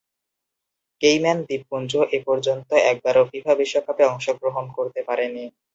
Cayman দ্বীপপুঞ্জ এপর্যন্ত একবারও ফিফা বিশ্বকাপে অংশগ্রহণ করতে পারেনি।